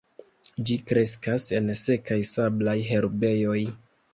Ĝi kreskas en sekaj sablaj herbejoj.